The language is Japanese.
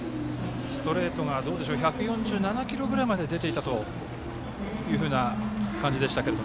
ストレートが１４７キロぐらいまで出ていたという感じでしたが。